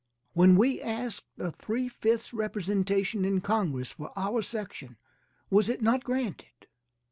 When we asked a three fifths representation in Congress for our section was it not granted?